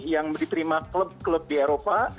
yang diterima klub klub di eropa